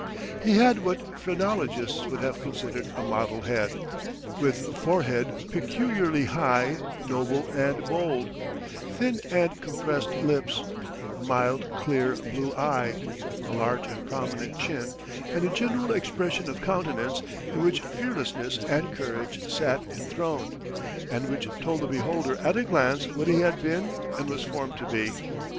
He had what phrenologists would have considered a model head with a forehead peculiarly high, noble, and bold thin and compressed lips a mild, clear, blue eye a large and prominent chin, and a general expression of countenance in which fearlessness and courage sat enthroned, and which told the beholder at a glance what he had been and was formed to be."